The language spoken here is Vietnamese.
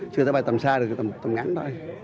chỉ có thể bay tầm xa rồi tầm ngắn thôi